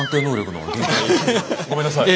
ごめんなさい。